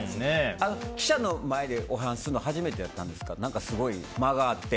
記者の前でお話しするの初めてやったんですか？